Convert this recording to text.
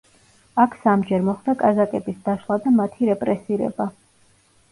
აქ სამჯერ მოხდა კაზაკების დაშლა და მათი რეპრესირება.